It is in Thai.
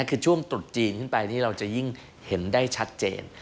คือช่วงตรุษจีนขึ้นไปนี่เราจะยิ่งเห็นได้ชัดเจน